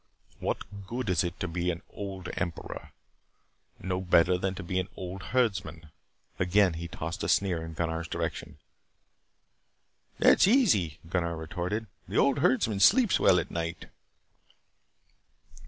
What good is it to be an old emperor? No better than to be an old herdsman." Again he tossed a sneer in Gunnar's direction "That's easy," Gunnar retorted. "The old herdsman sleeps well at night."